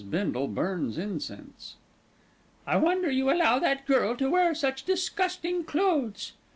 BINDLE BURNS INCENSE "I wonder you allow that girl to wear such disgusting clothes."